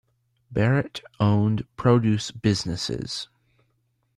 Barrett owned produce businesses.